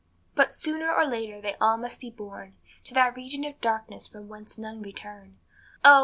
But sooner or later they all must be borne To that region of darkness from whence none return; Oh!